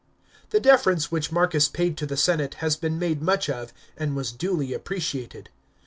The deference which Marcus paid to the senate has been made much of, and was duly appreciated.